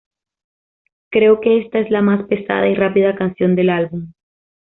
Creo que esta es la más pesada y rápida canción del álbum.